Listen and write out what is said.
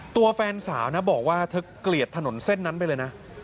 ตัวแฟนสาวนะบอกว่าเธอเกลียดถนนเส้นนั้นไปเลยนะ